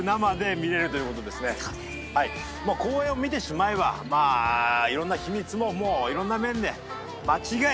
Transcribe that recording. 公演を見てしまえばまあいろんな秘密ももういろんな面で間違いないですから。